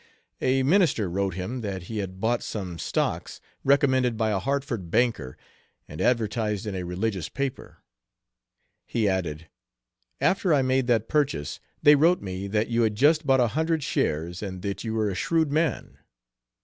A minister wrote him that he had bought some stocks recommended by a Hartford banker and advertised in a religious paper. He added, "After I made that purchase they wrote me that you had just bought a hundred shares and that you were a 'shrewd' man."